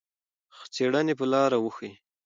څېړنې به لار وښيي.